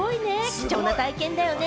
貴重な体験だよね。